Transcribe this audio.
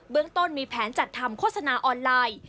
เรื่องต้นมีแผนจัดทำโฆษณาออนไลน์